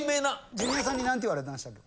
ジュニアさんに何て言われたんでしたっけ？